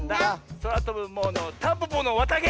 「そらとぶものタンポポのわたげ！」